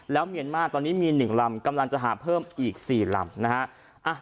เมียนมาร์ตอนนี้มี๑ลำกำลังจะหาเพิ่มอีก๔ลำนะฮะ